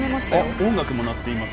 音楽も鳴っています。